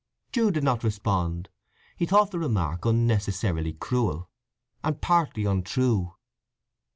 Jude did not respond. He thought the remark unnecessarily cruel, and partly untrue.